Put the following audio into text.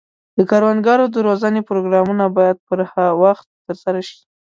د کروندګرو د روزنې پروګرامونه باید پر وخت ترسره شي.